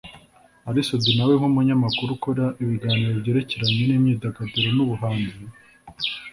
Ally Sudi na we nk’umunyamakuru ukora ibiganiro byerekeranye n’imyidagaduro n’ubuhanzi